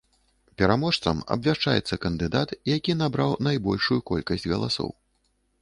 Пераможцам абвяшчаецца кандыдат, які набраў найбольшую колькасць галасоў.